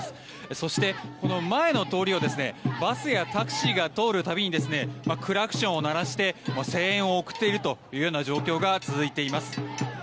そして、前の通りをバスやタクシーが通るたびにクラクションを鳴らして声援を送っているような状況が続いています。